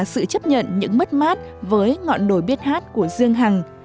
nơi cả sự chấp nhận những mất mát với ngọn đồi biết hát của dương hằng